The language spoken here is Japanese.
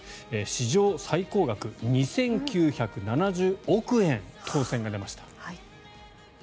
史上最高額２９７０億円、当選が出ました。